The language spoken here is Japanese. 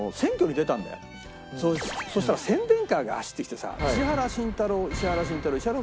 そしたら宣伝カーが走ってきてさ「石原慎太郎石原慎太郎石原」。